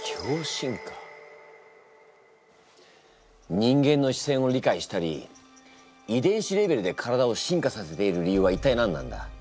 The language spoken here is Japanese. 人間の視線を理解したり遺伝子レベルで体を進化させている理由は一体何なんだ？